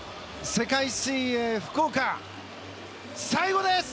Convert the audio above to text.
世界水泳福岡、最後です！